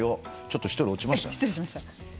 ちょっと１人落ちましたね。